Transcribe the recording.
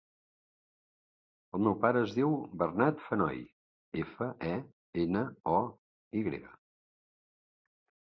El meu pare es diu Bernat Fenoy: efa, e, ena, o, i grega.